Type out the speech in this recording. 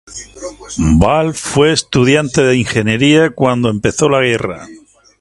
Ball fue estudiante de ingeniería cuando empezó la guerra.